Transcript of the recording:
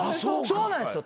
そうなんですよ。